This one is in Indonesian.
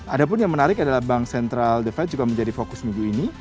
ada pun yang menarik adalah bank sentral the fed juga menjadi fokus minggu ini